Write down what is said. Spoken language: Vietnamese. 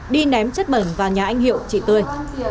đi ném chất bẩn vào nhà anh hiệu chị tươi